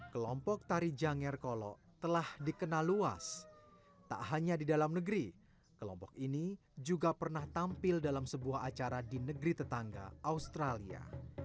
kelompok tari janger kolo telah dikenal luas tak hanya di dalam negeri kelompok ini juga pernah tampil dalam sebuah acara di negeri tetangga australia